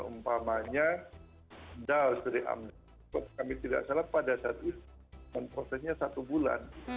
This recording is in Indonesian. umpamanya dals dari amda kami tidak salah pada saat itu memprosesnya satu bulan